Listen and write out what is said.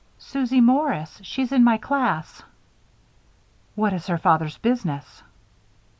"Susie Morris. She's in my class." "What is her father's business?"